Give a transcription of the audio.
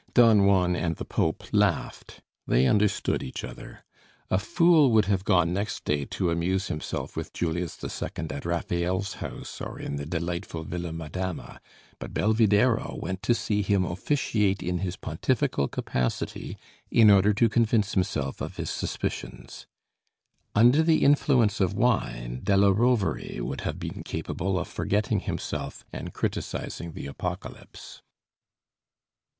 Don Juan and the Pope laughed. They understood each other. A fool would have gone next day to amuse himself with Julius II at Raphael's house or in the delightful Villa Madama; but Belvidéro went to see him officiate in his pontifical capacity, in order to convince himself of his suspicions. Under the influence of wine della Rovere would have been capable of forgetting himself and criticising the Apocalypse.